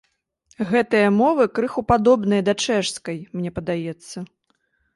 Гэтыя мовы крыху падобныя да чэшскай, мне падаецца.